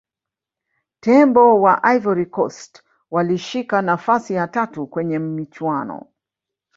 tembo wa ivory coast walishika nafasi ya tatu kwenye michuano